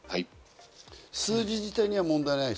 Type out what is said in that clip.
数字自体には問題ない。